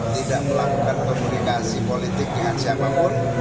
tidak melakukan komunikasi politik dengan siapapun